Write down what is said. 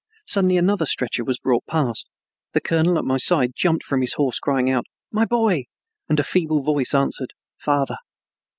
Suddenly another stretcher was brought past. The colonel at my side jumped from his horse, crying out, "My boy," and a feeble voice answered, "Father."